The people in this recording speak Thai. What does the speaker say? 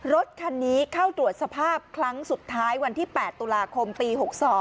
รถคันนี้เข้าตรวจสภาพครั้งสุดท้ายวันที่๘ตุลาคมปี๖๒